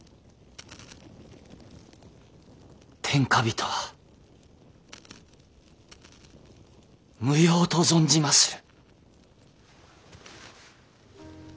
天下人は無用と存じまする。